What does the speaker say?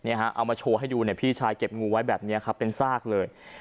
เอามาโชว์ให้ดูเนี่ยพี่ชายเก็บงูไว้แบบนี้ครับเป็นซากเลย